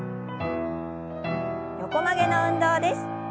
横曲げの運動です。